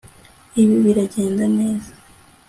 Ibi biragenda neza